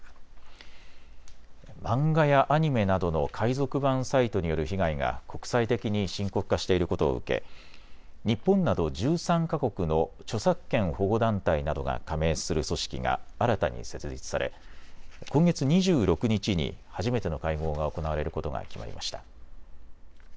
漫画やアニメなどの海賊版サイトによる被害が国際的に深刻化していることを受け日本など１３か国の著作権保護団体などが加盟する組織が新たに設立され今月２６日に初めての会合が行われることが決まりました。